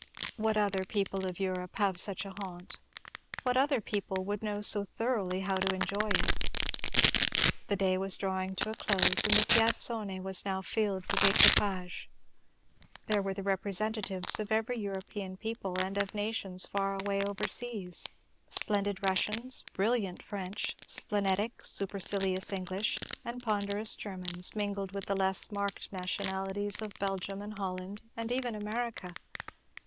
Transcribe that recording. What other people of Europe have such a haunt? what other people would know so thoroughly how to enjoy it? The day was drawing to a close, and the Piazzone was now filled with equipages. There were the representatives of every European people, and of nations far away over the seas, splendid Russians, brilliant French, splenetic, supercilious English, and ponderous Germans, mingled with the less marked nationalities of Belgium and Holland, and even America.